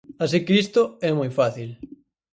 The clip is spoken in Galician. Así que isto é moi fácil.